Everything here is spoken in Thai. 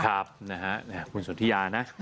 ครับคุณสุธิยานะ